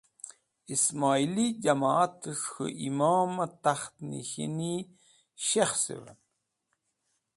Ismoili Jamoat es̃h K̃hu Imom e Takht Nashini Shekhsuven